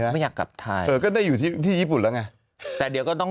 ไม่อยากกลับไทยเออก็ได้อยู่ที่ญี่ปุ่นแล้วไงแต่เดี๋ยวก็ต้อง